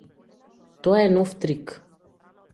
Тоа е нов трик.